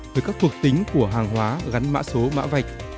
với các thuộc tính của hàng hóa gắn mã số mã vạch